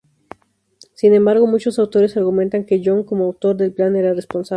Sin embargo, muchos autores argumentan que Young, como autor del plan, era responsable.